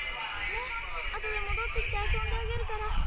ねっ後で戻って来て遊んであげるから。